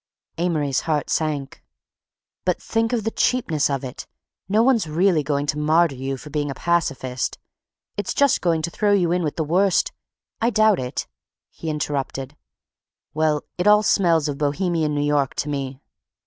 Amory's heart sank. "But think of the cheapness of it—no one's really going to martyr you for being a pacifist—it's just going to throw you in with the worst—" "I doubt it," he interrupted. "Well, it all smells of Bohemian New York to me."